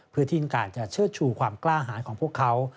เพื่อที่การเชื่อชูความกล้าหารของพวกเขา